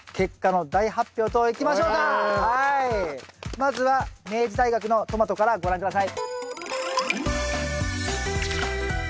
まずは明治大学のトマトからご覧下さい。